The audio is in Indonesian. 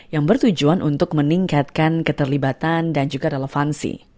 yang bertujuan untuk meningkatkan keterlibatan dan juga relevansi